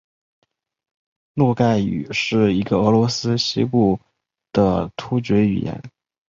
诺盖语是一个俄罗斯西南部的突厥语言。